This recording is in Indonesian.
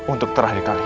untuk terakhir kali